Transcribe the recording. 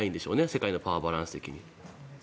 世界のパワーバランス的に。